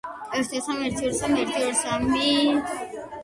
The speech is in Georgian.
მსახიობმა ინფარქტი გადაიტანა, თუმცა მისი მდგომარება არ გაუმჯობესებულა.